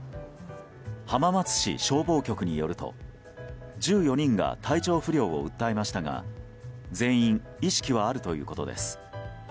浜松市消防局によると１４人が体調不良を訴えましたが全員意識はあるということです。